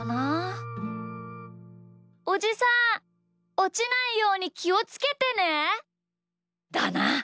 おちないようにきをつけてね。だな。